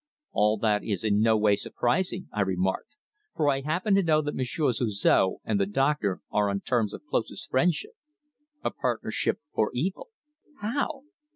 "All that is in no way surprising," I remarked, "for I happen to know that Monsieur Suzor and the doctor are on terms of closest friendship a partnership for evil." "How?"